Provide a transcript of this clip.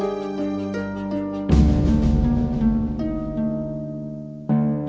aku harus cari makanan di luar